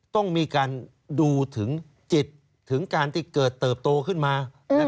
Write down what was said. ต้องมีการดูถึงจิตถึงการที่เกิดเติบโตขึ้นมา